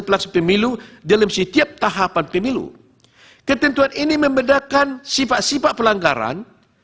pelaksa pemilu dalam setiap tahapan pemilu ketentuan ini membedakan sifat sifat pelanggaran